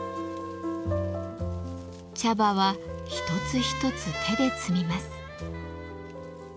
茶葉は一つ一つ手で摘みます。